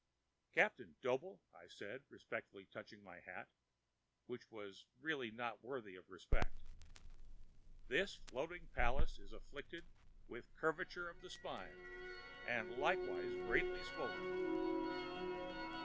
"Captain Doble," I said, respectfully touching my hat, which was really not worthy of respect, "this floating palace is afflicted with curvature of the spine and is likewise greatly swollen."